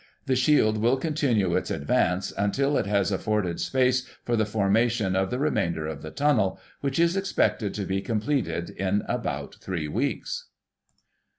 The shield will continue its advance, until it has afforded space for the formation of the remainder of the tunnel, which is expected to be completed in about three weeks."